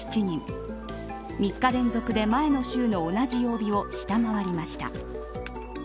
３日連続で前の週の同じ曜日を下回りました。